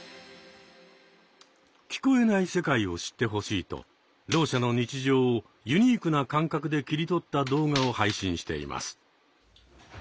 聞こえない世界を知ってほしいとろう者の日常をユニークな感覚で切り取った動画を配信しています。